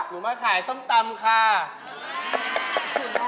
หนูมาขายส้ำตำค่ะ